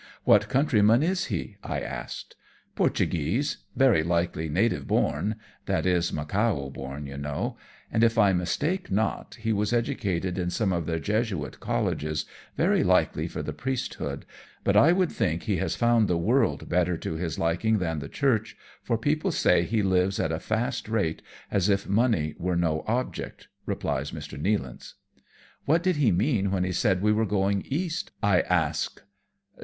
" What countryman is he ?" I ask. " Portuguese J very likely native born — that is, Macao born, you know, — and if I mistake not he was educated in some of their Jesuit colleges, very likely for the priesthood, but I should think he has found the world better to his liking than the church, for people say he lives at a fast rate, as if money were no object," replies J'lr. Nealance. G 2 84 AMONG TYPHOONS AND PIRATE CRAFT. " What did he mean when he said we were going East?" I ask.